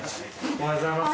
おはようございます。